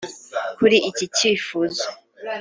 Kuri iki cyifuzo